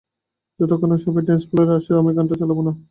যতক্ষণ না সবাই ড্যান্স ফ্লোরে আসছে আমি গানটা চালাবো না।